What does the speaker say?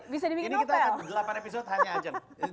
bisa dibikin hotel